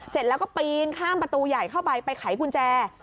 เสร็จแล้วก็ปีนข้ามประตูใหญ่เข้าไปไปไขกุญแจ